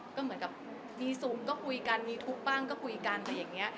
ก็เหมือนกับมีซุมก็คุยกันมีทุกข์บ้างก็คุยกันอะไรอย่างนี้